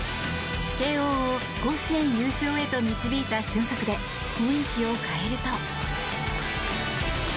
慶應を甲子園優勝へと導いた俊足で、雰囲気を変えると。